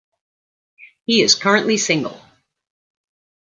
He is currently single.